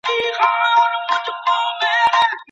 که کانالونه ژور سي، نو سیلابونه ښار ته نه ننوځي.